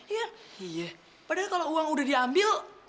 iya iya padahal kalau uang udah diambil